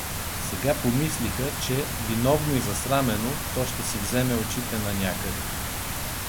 Сега помислиха, че, виновно и засрамено, то ще си вземе очите нанякъде.